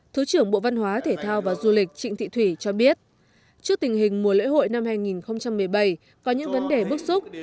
thứ trưởng bộ văn hóa thể thao và du lịch trịnh thị thủy cho biết trước tình hình mùa lễ hội năm hai nghìn một mươi bảy có những vấn đề bức xúc